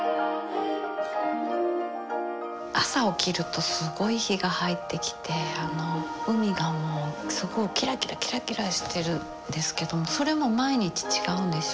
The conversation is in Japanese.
朝起きるとすごい陽が入ってきて海がもうすごいキラキラキラキラしてるんですけどもそれも毎日違うんですよ